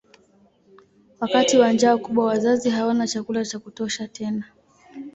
Wakati wa njaa kubwa wazazi hawana chakula cha kutosha tena.